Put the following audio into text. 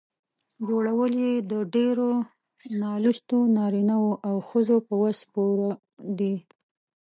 جوړول یې د ډېرو نالوستو نارینه وو او ښځو په وس پوره دي.